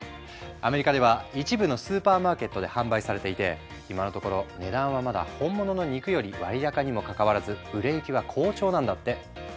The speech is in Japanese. アメリカでは一部のスーパーマーケットで販売されていて今のところ値段はまだ本物の肉より割高にもかかわらず売れ行きは好調なんだって。